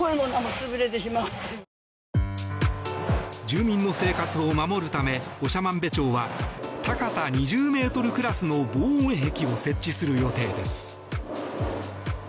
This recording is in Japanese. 住民の生活を守るため長万部町は高さ２０ｍクラスの防音壁を設置する予定です。